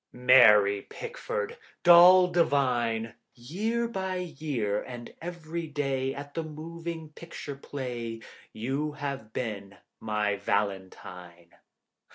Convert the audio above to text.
Mary Pickford, doll divine, Year by year, and every day At the moving picture play, You have been my valentine.